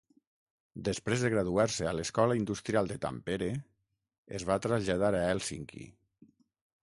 Després de graduar-se a l'Escola Industrial de Tampere es va traslladar a Hèlsinki.